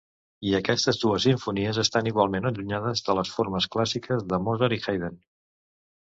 I aquestes dues simfonies estan igualment allunyades de les formes clàssiques de Mozart i Haydn.